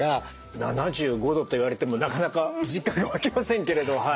７５度と言われてもなかなか実感が湧きませんけれど。